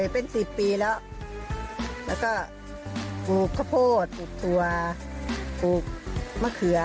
เป็น๑๐ปีแล้วแล้วก็ปลูกข้าวโพดปลูกตัวปลูกมะเขือ